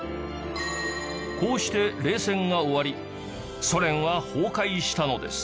こうして冷戦が終わりソ連は崩壊したのです